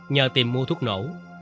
nhờ tìm mua thuốc nổ